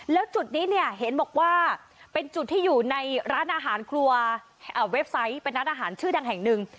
แล้วจุดนี้เนี่ยเห็นบอกว่าเป็นจุดที่อยู่ในร้านอาหารครัวเว็บไซต์เป็นร้านอาหารชื่อดังแห่งหนึ่ง